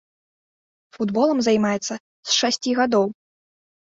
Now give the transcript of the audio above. Футболам займаецца з шасці гадоў.